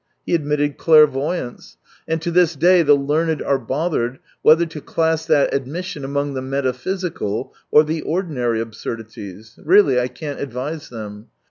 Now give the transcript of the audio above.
He admitted clairvoyance — and to this day the learned are bothered whether to class that admission among the metaphysical or the ordinary absurdities. Really, I can't advise them.